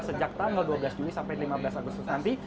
sejak tanggal dua belas juli sampai lima belas agustus nanti